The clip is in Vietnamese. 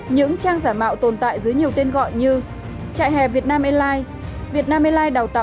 nhưng mà mình nghi ngờ rằng là sợ